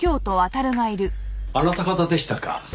あなた方でしたか。